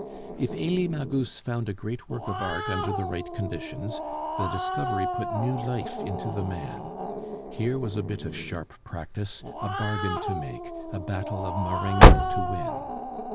If Elie Magus found a great work of art under the right conditions, the discovery put new life into the man; here was a bit of sharp practice, a bargain to make, a battle of Marengo to win.